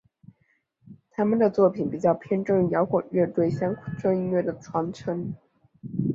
他们的作品比较偏重于摇滚乐对乡村音乐的传承。